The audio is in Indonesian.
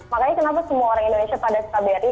makanya kenapa semua orang indonesia pada kbri